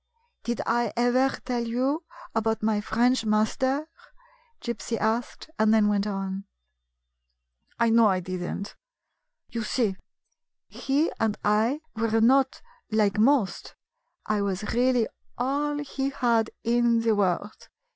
"Did I ever tell you about my French master ?" Gypsy asked, and then went on : "I know I did n't. You see, he and I were not like most. I was really all he had in the world.